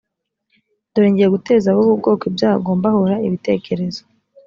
dore ngiye guteza ab ubu bwoko ibyago mbahora ibitekerezo